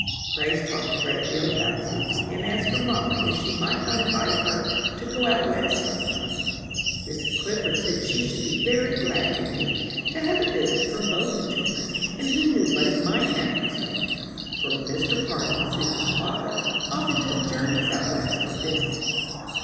Grace talked a great deal about Susy, and asked her mamma if she might not invite her to go out West some time. Mrs. Clifford said she should be very glad, indeed, to have a visit from both the children, and who knew but it might happen so? for Mr. Parlin, Susy's father, often took journeys out West on business.